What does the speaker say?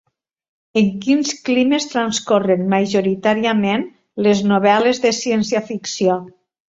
En quins climes transcorren majoritàriament les novel·les de ciència-ficció?